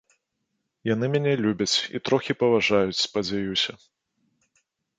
Яны мяне любяць, і трохі паважаюць, спадзяюся.